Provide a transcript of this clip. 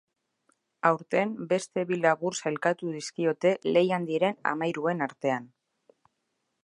Aurten beste bi labur sailkatu dizkiote lehian diren hamairuen artean.